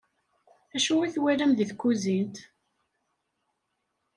Acu i twalam di tkuzint?